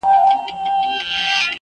قربان د عِشق تر لمبو سم، باید ومي سوځي~